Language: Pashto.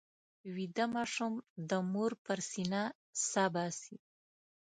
ویده ماشوم د مور پر سینه سا باسي